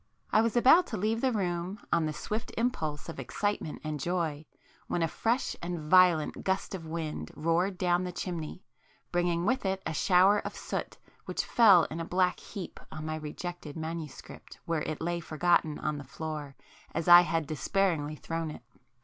I was about to leave the room on the swift impulse of excitement and joy, when a fresh and violent gust of wind roared down the chimney, bringing with it a shower of soot which fell in a black heap on my rejected manuscript where it lay forgotten on the floor, as I had despairingly thrown it.